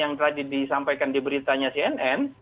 yang tadi disampaikan di beritanya cnn